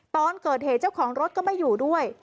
ตอนเกิดเหตุเจ้าของรถก็ไม่อยู่ด้วย